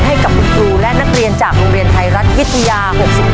ให้กับคุณครูและนักเรียนจากโรงเรียนไทยรัฐวิทยา๖๗